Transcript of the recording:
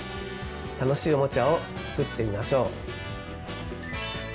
楽しいおもちゃを作ってみましょう！